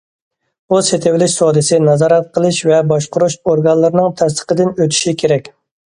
بۇ سېتىۋېلىش سودىسى نازارەت قىلىش ۋە باشقۇرۇش ئورگانلىرىنىڭ تەستىقىدىن ئۆتۈشى كېرەك.